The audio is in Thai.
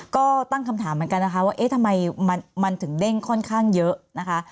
ก็ตั้งคำถามเหมือนกันว่าทำไมมันถึงเด้งค่อนข้างเยอะ